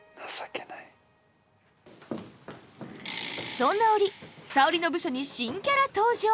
そんな折沙織の部署に新キャラ登場！